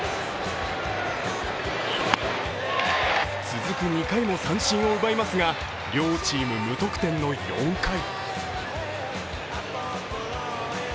続く２回も三振を奪いますが両チーム無得点の４回。